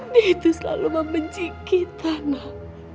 dia itu selalu membenci kita nol